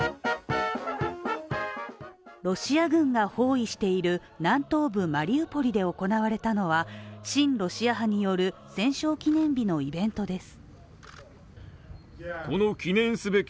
ロシア軍が包囲している、南東部マリウポリで行われたのは、親ロシア派による戦勝記念日のイベントです。